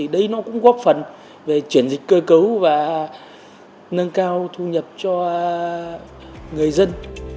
đây nó cũng góp phần về chuyển dịch cơ cấu và nâng cao thu nhập cho người dân